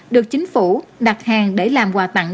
được chính phủ đặt hàng để làm quà tặng